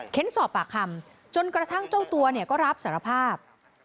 สอบปากคำจนกระทั่งเจ้าตัวก็รับสารภาพ